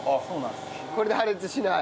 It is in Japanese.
これで破裂しない？